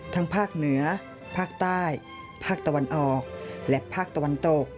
ภาคเหนือภาคใต้ภาคตะวันออกและภาคตะวันตก